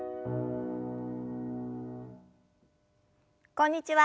こんにちは